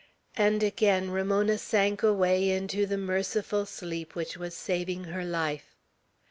And again Ramona sank away into the merciful sleep which was saving her life.